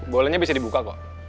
bolanya bisa dibuka kok